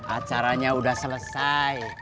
acaranya udah selesai